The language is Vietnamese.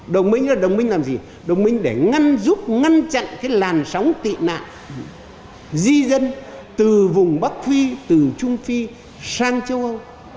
đồng minh và đồng minh làm gì đồng minh để ngăn giúp ngăn chặn cái làn sóng tị nạn di dân từ vùng bắc phi từ trung phi sang châu âu